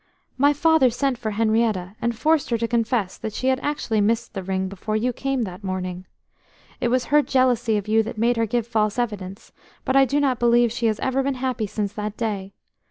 "My father sent for Henrietta, and forced her to confess that she had actually missed the ring before you came that morning. It was her jealousy of you that made her give false evidence, but I do not believe she has ever been happy since that day....